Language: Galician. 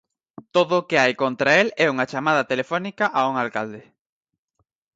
Todo o que hai contra el é unha chamada telefónica a un alcalde.